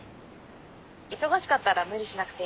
忙しかったら無理しなくていいんだけど。